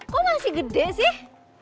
kok masih gede sih